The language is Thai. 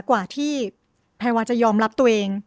กว่าที่ภายวัตรจะยอมรับตัวเอง